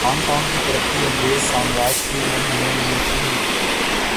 Hong Kong کی ترقی انگریز سامراج کی مرہون منت رہی۔